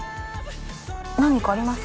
何かあります？